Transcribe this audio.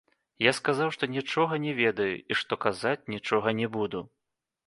Я сказаў, што нічога не ведаю і што казаць нічога не буду.